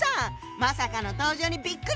まさかの登場にびっくり！